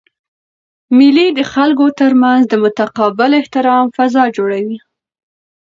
مېلې د خلکو ترمنځ د متقابل احترام فضا جوړوي.